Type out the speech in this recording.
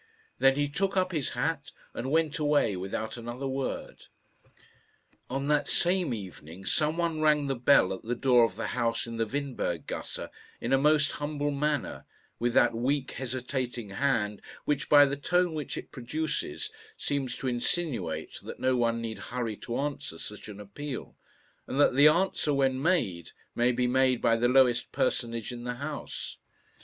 Then he took up his hat and went away without another word. On that same evening some one rang the bell at the door of the house in the Windberg gasse in a most humble manner with that weak, hesitating hand which, by the tone which it produces, seems to insinuate that no one need hurry to answer such an appeal, and that the answer, when made, may be made by the lowest personage in the house.